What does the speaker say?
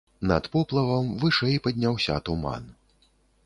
Над поплавам вышэй падняўся туман.